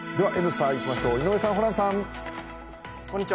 「Ｎスタ」いきましょう井上さん、ホランさん。